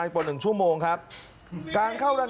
สวัสดีครับทุกคน